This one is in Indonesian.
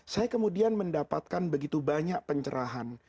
saya kemudian mendapatkan begitu banyak pencerahan